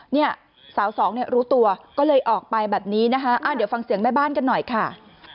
เนี่ยสาวสองเนี่ยรู้ตัวก็เลยออกไปแบบนี้นะคะเดี๋ยวฟังเสียงแม่บ้านกันหน่อยค่ะ